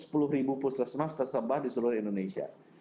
puslesmas tersembah di seluruh indonesia